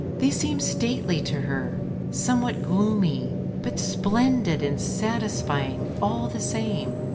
They seemed stately to her, somewhat gloomy, but splendid and satisfying all the same.